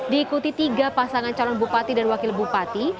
diikuti tiga pasangan calon bupati dan wakil bupati